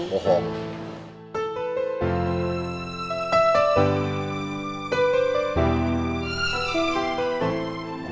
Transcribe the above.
aku akan menanggungmu